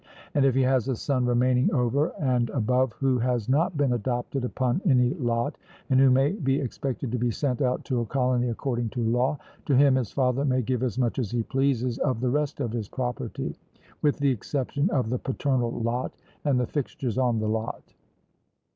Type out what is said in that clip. And if he has a son remaining over and above who has not been adopted upon any lot, and who may be expected to be sent out to a colony according to law, to him his father may give as much as he pleases of the rest of his property, with the exception of the paternal lot and the fixtures on the lot.